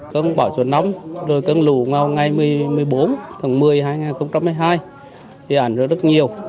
công bảo sửa nóng rồi cân lù ngay ngày một mươi bốn tháng một mươi năm hai nghìn một mươi hai thì ảnh rất nhiều